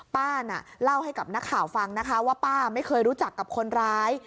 ป้าน่ะเล่าให้กับนักข่าวฟังนะคะว่าป้าไม่เคยรู้จักกับคนร้าย